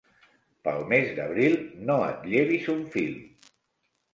Pel mes d'abril no et llevis un fil.